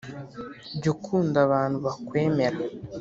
jya ukunda abantu bakwemera